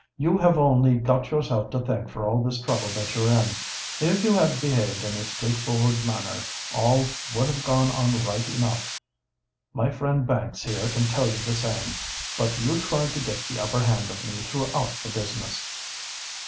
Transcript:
"You have only got yourself to thank for all this trouble that you're in. If you had behaved in a straightforward manner, all would have gone on right enough. My friend Banks here can tell you the same. But you tried to get the upper hand of me throughout the business."